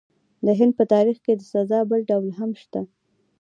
د هند په تاریخ کې د سزا بل ډول هم شته.